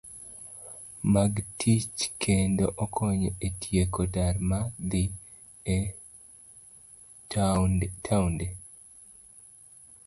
Mag tich kendo okonyo e tieko dar mar dhi e taonde